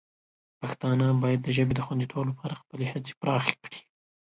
پښتانه باید د ژبې د خوندیتوب لپاره خپلې هڅې پراخې کړي.